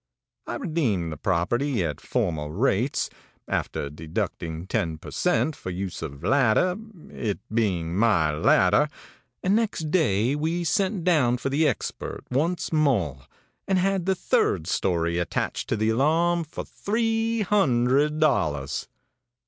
I redeemed the property at former rates, after deducting ten per cent. for use of ladder, it being my ladder, and, next day we sent down for the expert once more, and had the third story attached to the alarm, for three hundred dollars.